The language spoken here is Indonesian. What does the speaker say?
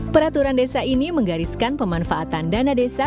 peraturan desa ini menggariskan pemanfaatan dana desa